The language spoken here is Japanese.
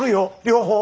両方。